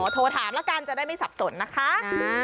โทรถามแล้วกันจะได้ไม่สับสนนะคะ